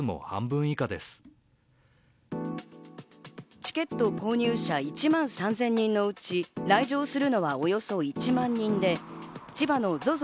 チケット購入者１万３０００人のうち、来場するのはおよそ１万人で、千葉のＺＯＺＯ